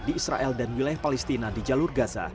di israel dan wilayah palestina di jalur gaza